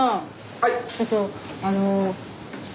はい。